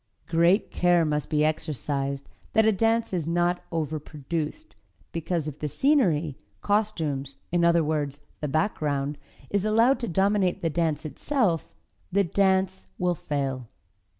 Great care must be exercised that a dance is not overproduced, because if the scenery, costumes, in other words, the background, is allowed to dominate the dance itself, the dance will fail.